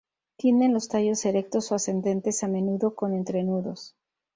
Tienen los tallos erectos o ascendentes, a menudo con entrenudos.